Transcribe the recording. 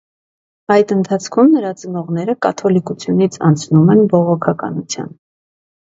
Այդ ընթացքում նրա ծնողները կաթոլիկությունից անցնում են բողոքականության։